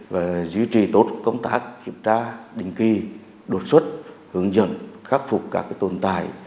và duy trì tốt công tác kiểm tra đình kỳ đột xuất hướng dẫn khắc phục các tồn tài